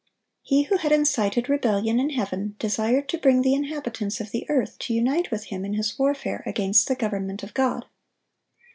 He who had incited rebellion in heaven, desired to bring the inhabitants of the earth to unite with him in his warfare against the government of God.